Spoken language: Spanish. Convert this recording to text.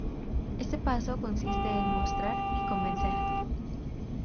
Este paso consiste en mostrar y convencer.